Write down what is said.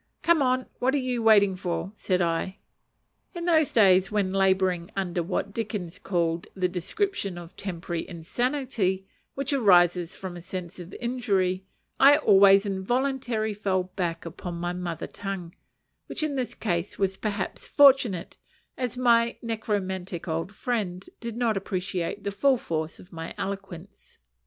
"Come on! what are you waiting for?" said I. In those days, when labouring under what Dickens calls the "description of temporary insanity which arises from a sense of injury," I always involuntarily fell back upon my mother tongue; which in this case was perhaps fortunate, as my necromantic old friend did not appreciate the full force of my eloquence.